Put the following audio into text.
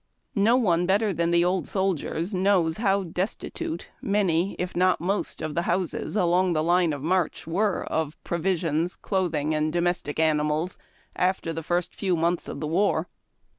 No one, better than tlie old soldiers, knows how desti tute many, if not most, of the houses along the line of march were of provisions, clothing, and domestic animals, after the first few months of the war.